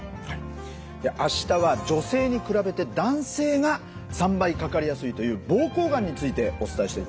明日は女性に比べて男性が３倍かかりやすいという膀胱がんについてお伝えしていきます。